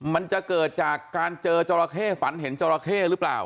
มันจะเกิดจากการเจอจราเข้ฝันเห็นจราเข้หรือเปล่า